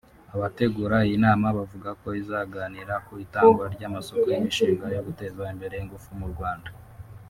Abategura iyi nama bavuga ko izaganira ku itangwa ry’amasoko y’imishinga yo guteza imbere ingufu mu Rwanda